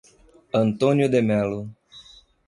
Antônio de Melo